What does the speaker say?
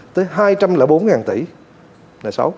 tới hai trăm linh bốn tỷ